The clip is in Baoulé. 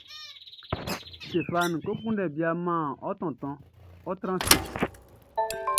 Stéphane, kɔ kunndɛ bia man ɔ tontonʼn; ɔ́ trán ase.